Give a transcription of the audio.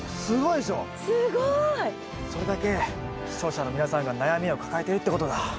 すごい！それだけ視聴者の皆さんが悩みを抱えてるってことだ。